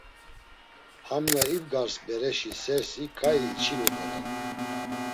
Ham na ibgars bereşi sersi ǩai içinu doren.